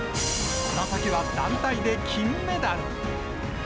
そのときは団体で金メダル。